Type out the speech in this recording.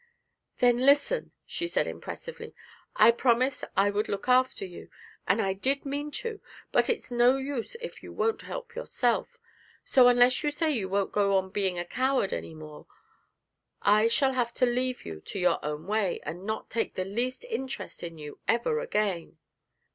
'Then, listen,' she said impressively. 'I promised I would look after you, and I did mean to, but it's no use if you won't help yourself. So, unless you say you won't go on being a coward any more, I shall have to leave you to your own way, and not take the least interest in you ever again.'